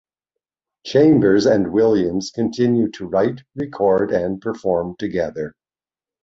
Chambers and Williams continue to write, record and perform together.